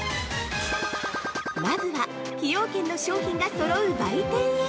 まずは、崎陽軒の商品がそろう売店へ！！